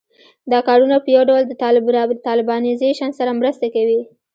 دا کارونه په یو ډول د طالبانیزېشن سره مرسته کوي